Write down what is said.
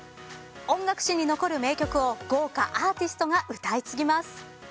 音楽史に残る名曲を豪華アーティストが歌い継ぎます。